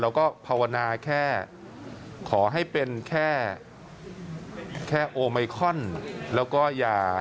เราก็ภาวนาแค่ขอให้เป็นแค่แค่แล้วก็อย่า